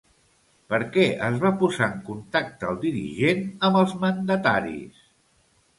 Per què es va posar en contacte el dirigent amb els mandataris?